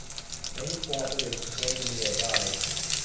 Many cooperatives in Tanzania died.